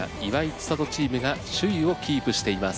千怜チームが首位をキープしています。